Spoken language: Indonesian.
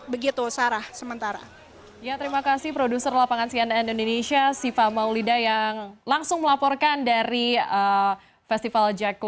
begitu sarah sementara